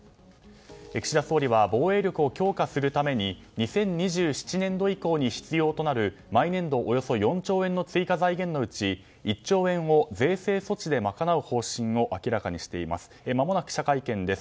岸田総理は防衛力を強化するために２０２７年度以降に必要となる毎年度およそ４兆円の追加財源のうち１兆円を税制措置で賄う方針を明らかにしています。